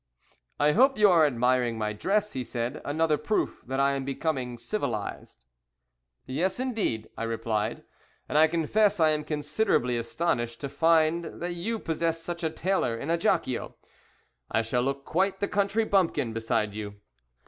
"I hope you are admiring my dress," he said; "another proof that I am becoming civilized." "Yes, indeed," I replied, "and I confess I am considerably astonished to find that you possess such a tailor in Ajaccio. I shall look quite the country bumpkin beside you."